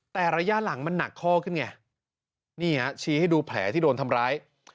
แต่ระยะหลังมันหนักข้อขึ้นไงนี่ฮะชี้ให้ดูแผลที่โดนทำร้าย